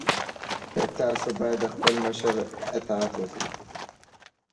تاسو باید د خپل مشر اطاعت وکړئ.